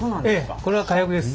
ええこれは火薬です。